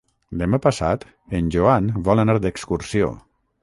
Demà passat en Joan vol anar d'excursió.